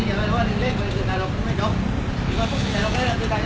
สวัสดีครับทุกคน